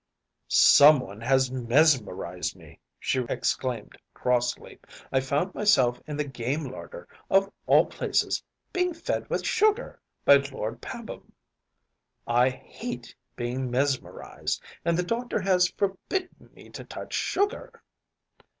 “Some one has mesmerised me,‚ÄĚ she exclaimed crossly; “I found myself in the game larder, of all places, being fed with sugar by Lord Pabham. I hate being mesmerised, and the doctor has forbidden me to touch sugar.